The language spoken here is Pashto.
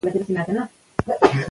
پوهان لیکي.